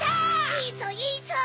いいぞいいぞ！